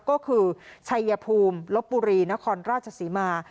ก็คือชัยภูมิลบบุรีนครราชศรีมา